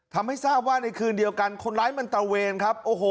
ทำให้ทราบว่าในคืนเดียวกันคนร้ายมันตะเวนครับโอ้โห